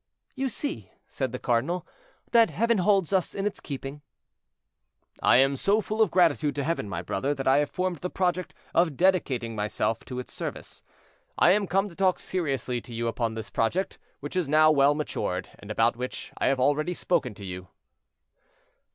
"You see," said the cardinal, "that Heaven holds us in its keeping." "I am so full of gratitude to Heaven, my brother, that I have formed the project of dedicating myself to its service. I am come to talk seriously to you upon this project, which is now well matured, and about which I have already spoken to you."